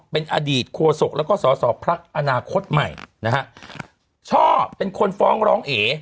เป็นอดีตโฆษกแล้วก็สอสอพักอนาคตใหม่นะฮะช่อเป็นคนฟ้องร้องเอ